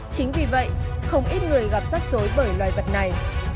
chính vì vậy không ít người gặp rắc rối bởi loài vật này